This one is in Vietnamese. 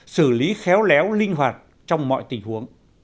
xử lý khéo léo linh hoạt trong mọi tình huống